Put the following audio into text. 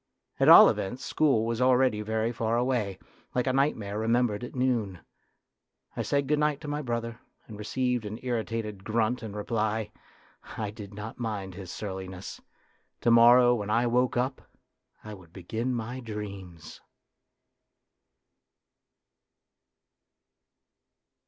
At all events, school was already very far away, like a night mare remembered at noon. I said good night to my brother, and received an irritated grunt in reply. I did not mind his surliness ; to morrow when I woke up, I would begin my dreams.